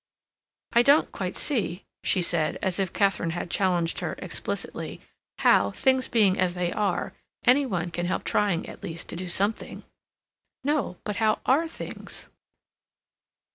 "I don't quite see," she said, as if Katharine had challenged her explicitly, "how, things being as they are, any one can help trying, at least, to do something." "No. But how are things?"